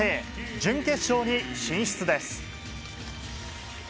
準決勝に進出です。